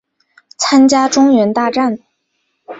参加中原大战。